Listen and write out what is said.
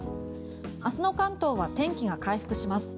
明日の関東は天気が回復します。